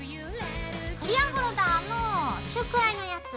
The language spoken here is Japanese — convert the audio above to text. クリアホルダーの中くらいのやつ。